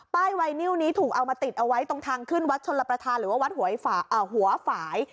ป้ายไวนิ้วนี้ถูกเอามาติดเอาไว้ตรงทางขึ้นวัดชนประธานหรือวัดหัวฝาย